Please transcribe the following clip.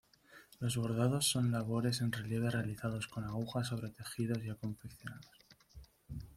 Los bordados son labores en relieve realizados con aguja sobre tejidos ya confeccionados.